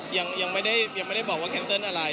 ยังไม่ได้บอกว่าแคนเซิลอะไร